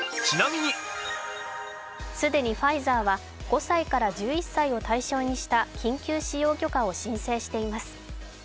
既にファイザーは５歳から１１歳を対象にした緊急使用許可を申請しています。